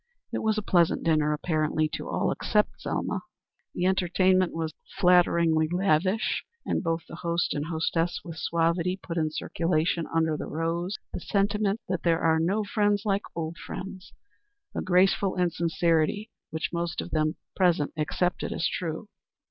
It was a pleasant dinner, apparently, to all except Selma. The entertainment was flatteringly lavish, and both the host and hostess with suavity put in circulation, under the rose, the sentiment that there are no friends like old friends a graceful insincerity which most of them present accepted as true.